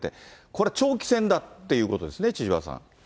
これ、長期戦だってことですね、千々和さん。